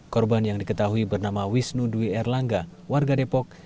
korban yang diketahui bernama wisnu dwi erlangga warga depok